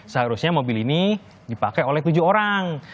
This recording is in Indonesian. seharusnya mobil ini dipakai oleh tujuh orang